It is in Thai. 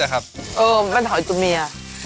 เออมันถอยอยู่มี